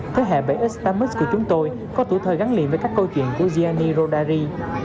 thế hệ bảy s tamics của chúng tôi có tủ thời gắn liền với các câu chuyện của gianni rodari